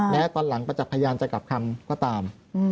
และตอนหลังประจักษ์พยานจะกลับคำก็ตาม